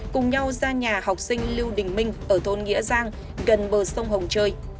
cùng nhau ra nhà học sinh lưu đình minh ở thôn nghĩa giang gần bờ sông hồng chơi